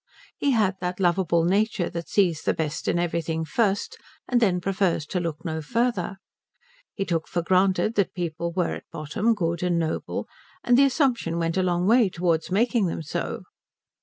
He had that lovable nature that sees the best in everything first, and then prefers to look no further. He took for granted that people were at bottom good and noble, and the assumption went a long way towards making them so.